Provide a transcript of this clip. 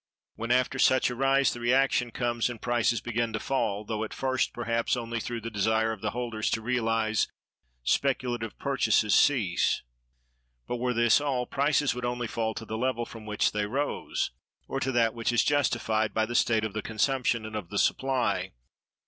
When, after such a rise, the reaction comes and prices begin to fall, though at first perhaps only through the desire of the holders to realize, speculative purchases cease; but, were this all, prices would only fall to the level from which they rose, or to that which is justified by the state of the consumption and of the supply.